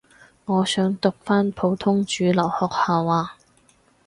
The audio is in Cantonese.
我想讀返普通主流學校呀